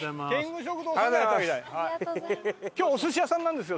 今日お寿司屋さんなんですよ。